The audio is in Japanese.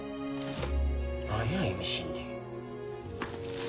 何や意味深に。